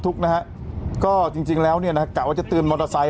ทุกข์นะฮะก็จริงแล้วเนี่ยนะฮะกะว่าจะเตือนมอเตอร์ไซค